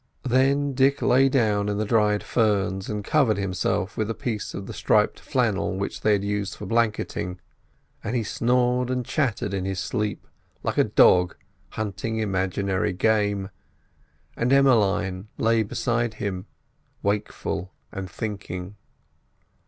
Then Dick lay down in the dried ferns and covered himself with a piece of the striped flannel which they used for blanketing, and he snored, and chattered in his sleep like a dog hunting imaginary game, and Emmeline lay beside him wakeful and thinking.